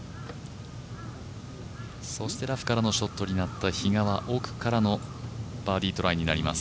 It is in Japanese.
そしてラフからのショットになった比嘉は奥からのバーディートライになります。